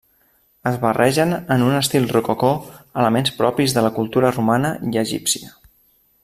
Es barregen en un estil rococó elements propis de la cultura romana i egípcia.